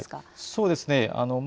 そうですね。